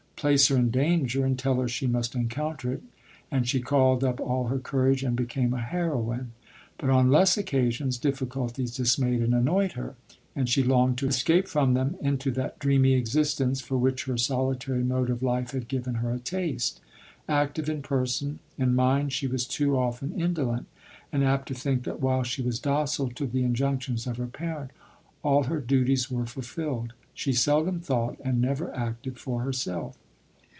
Place her in danger, and tell her she must encounter it, and she called up all her courage and became a heroine ; but on less occa sions, difficulties dismayed and annoyed her, and she longed to escape from them into that dreamy existence, for which her solitary mode of life had given her a taste : active in person, in mind she was too often indolent, and apt to think that while she was docile to the injunc tions of her parent, all her duties were fulfilled. She seldom thought, and never acted, for her self.